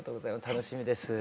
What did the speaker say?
楽しみです。